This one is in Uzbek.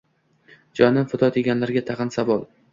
Jonim fido deganlarga tagʼin savol